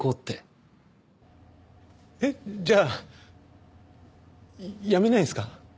えっじゃあ辞めないんすか？